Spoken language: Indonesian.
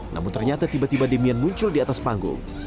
namun ternyata tiba tiba demian muncul di atas panggung